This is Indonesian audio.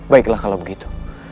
baiklah kalau begitu